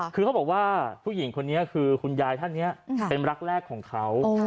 คือเขาบอกว่าผู้หญิงคนนี้คือคุณยายท่านนี้เป็นรักแรกของเขา